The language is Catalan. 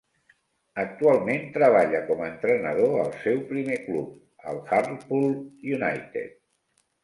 Actualment treballa com a entrenador al seu primer club, el Hartlepool United.